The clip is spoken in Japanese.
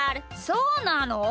そうなの？